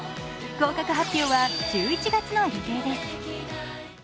合格発表は１１月の予定です。